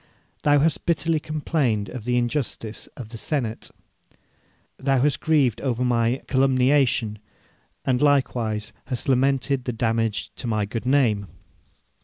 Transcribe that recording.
Thou hast bitterly complained of the injustice of the senate. Thou hast grieved over my calumniation, and likewise hast lamented the damage to my good name.